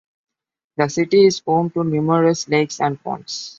The city is home to numerous lakes and ponds.